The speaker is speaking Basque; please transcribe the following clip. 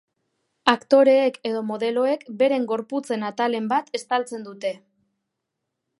Aktoreek edo modeloek beren gorputzen atalen bat estaltzen dute.